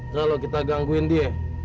kalau kita gangguin dia